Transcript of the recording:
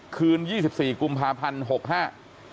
คืน๒๔กุมภาพันธ์หกห้า